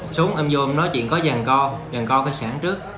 súng em vô em nói chuyện có vàng co vàng co cái sản trước